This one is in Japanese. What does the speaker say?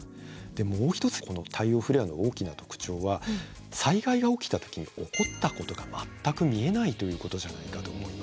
でもう一つこの太陽フレアの大きな特徴は災害が起きた時に起こったことが全く見えないということじゃないかと思います。